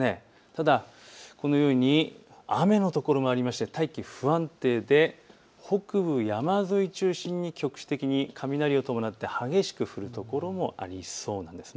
ただ、このように雨の所がありまして大気不安定で北部山沿いを中心に局地的に雷を伴って激しく降る所もありそうです。